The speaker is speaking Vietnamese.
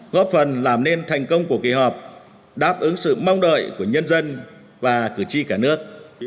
góp phần làm nên thành công của kỳ họp đáp ứng sự mong đợi của nhân dân và cử tri cả nước